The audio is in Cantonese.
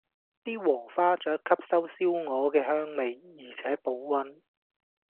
啲禾花雀吸收燒鵝嘅香味，而且保溫